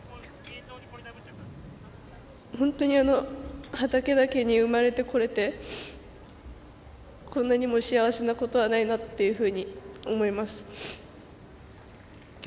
本当に畠田家に生まれてこれてこんなにも幸せなことはないなっていうふうに思います。